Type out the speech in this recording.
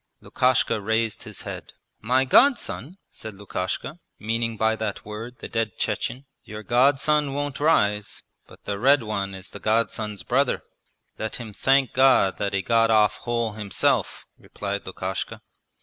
Lukashka raised his head. 'My godson?' said Lukashka, meaning by that word the dead Chechen. 'Your godson won't rise, but the red one is the godson's brother!' 'Let him thank God that he got off whole himself,' replied Lukashka.